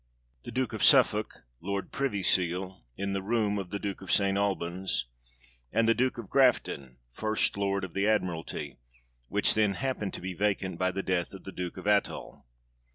The Duke of Suffolk, Lord Privy Seal, in the room of the Duke of St. Albans, and the Duke of Grafton first Lord of the Admiralty, which then happened to be vacant by the death of the Duke of Athol.